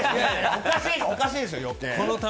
おかしいですよ、余計。